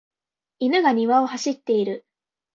犬が庭を走っている。